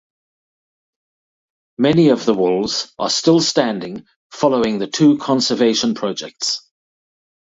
Many of the walls are still standing following the two conservation projects.